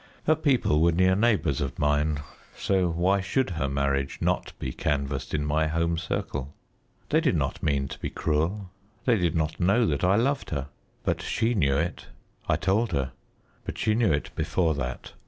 Her people were near neighbours of mine, so why should her marriage not be canvassed in my home circle? They did not mean to be cruel; they did not know that I loved her; but she knew it. I told her, but she knew it before that.